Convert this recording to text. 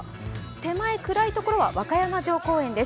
手前の暗いところは和歌山城公園です。